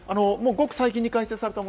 ごく最近に改正されました。